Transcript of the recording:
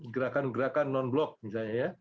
gerakan gerakan non blok misalnya ya